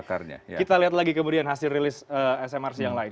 kita lihat lagi kemudian hasil rilis smrc yang lain